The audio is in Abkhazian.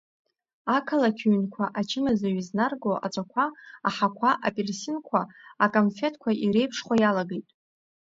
Ақалақь ҩнқәа ачымазаҩ изнарго аҵәақәа, аҳақәа, апельсинқәа, акамфеҭқәа иреиԥшхо иалагеит.